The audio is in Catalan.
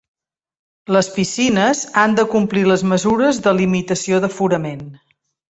Les piscines han de complir les mesures de limitació d'aforament.